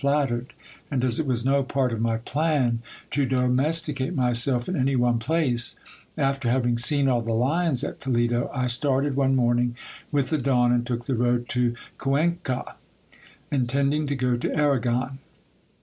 flattered, and, as it was no part of my plan to domesticate myself in any one place, after having seen all the lions at Toledo, I started one morning with the dawn, and took the road to Cuenca, intending to go to Arragon.